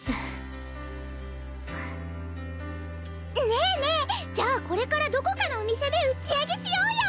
ねえねえじゃあこれからどこかのお店で打ち上げしようよ！